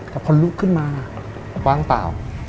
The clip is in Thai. แต่พอลุกขึ้นมาว่างเปล่า